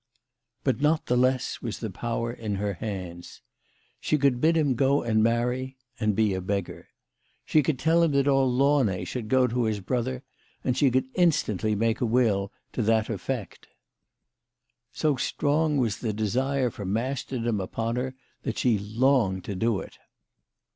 But not the less was the power in her hands. She could bid him go and marry and be a beggar. She could tell him that all Launay should go to his brother, and she could instantly nfake a will to that effect. So strong was the desire for masterdom upon her that she longed to do it.